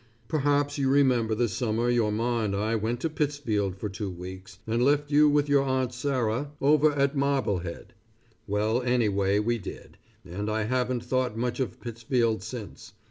Perhaps you remember the summer your Ma and I went to Pittsfield for two weeks, and left you with your Aunt Sarah over at Marblehead. Well anyway we did, and I haven't thought much of Pittsfield since.